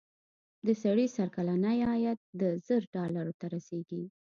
د سړي سر کلنی عاید زر ډالرو ته رسېږي.